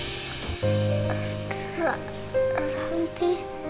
yaudah deh kalo gitu